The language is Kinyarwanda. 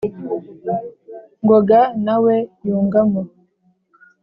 ngoga na we yungamo.